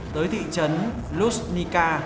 tới thị trấn luzhnika